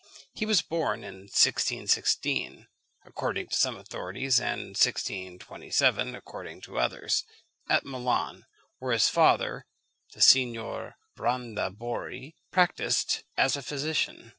He was born in 1616, according to some authorities, and in 1627 according to others, at Milan; where his father, the Signor Branda Borri, practised as a physician.